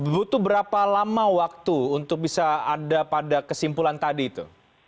butuh berapa lama waktu untuk bisa ada pada kesimpulan tadi itu